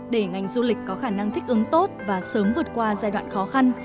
để ngành du lịch có khả năng thích ứng tốt và sớm vượt qua giai đoạn khó khăn